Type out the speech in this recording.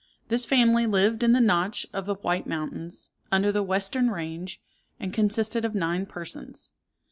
This family lived in the Notch of the White Mountains, under the western range, and consisted of nine persons.